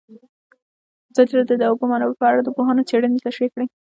ازادي راډیو د د اوبو منابع په اړه د پوهانو څېړنې تشریح کړې.